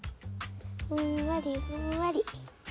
ふんわりふんわり。